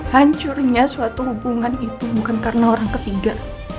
hancurnya suatu hubungan itu bukan karena orang ketiga